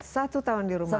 satu tahun di rumah